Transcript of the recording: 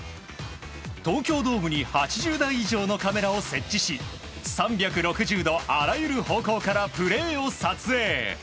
東京ドームに８０台以上のカメラを設置し３６０度あらゆる方向からプレーを撮影。